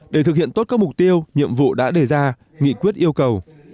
để thực hiện tốt các mục tiêu nhiệm vụ đã đề ra nghị quyết yêu cầu